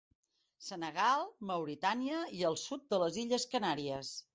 Senegal, Mauritània i el sud de les Illes Canàries.